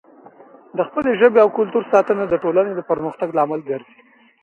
د خپلې ژبې او کلتور ساتنه د ټولنې د پرمختګ لامل ګرځي.